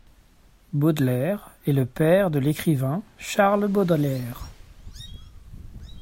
Baudelaire est le père de l'écrivain Charles Baudelaire.